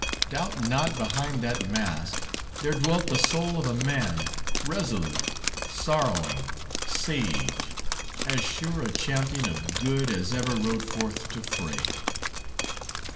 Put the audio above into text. Doubt not behind that mask There dwelt the soul of a man, Resolute, sorrowing, sage, As sure a champion of good As ever rode forth to fray.